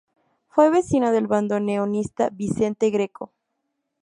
Fue vecino del bandoneonista Vicente Greco.